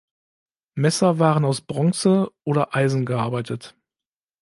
Messer waren aus Bronze oder Eisen gearbeitet.